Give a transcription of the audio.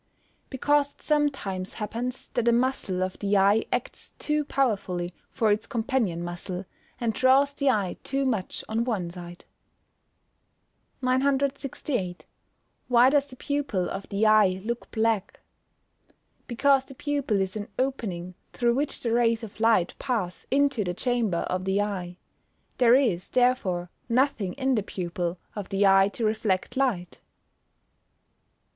_ Because it sometimes happens that a muscle of the eye acts too powerfully for its companion muscle, and draws the eye too much on one side. 968. Why does the pupil of the eye look black? Because the pupil is an opening through which the rays of light pass into the chamber of the eye. There is, therefore, nothing in the pupil, of the eye to reflect light.